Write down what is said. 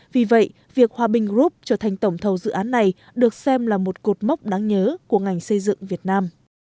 vì vậy việc hòa bình group trở thành tổng thầu dự án này được xem là một cột mốc đáng nhớ của ngành xây dựng việt nam